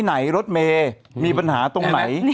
ไหนล็อตเมยมีปัญหาตรงไหน